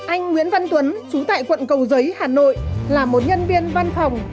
anh nguyễn văn tuấn chú tại quận cầu giấy hà nội là một nhân viên văn phòng